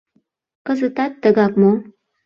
Кызытат тыгак мо?